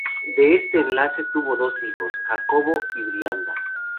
De este enlace tuvo dos hijos: Jacobo y Brianda.